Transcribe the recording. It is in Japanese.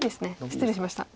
失礼しました。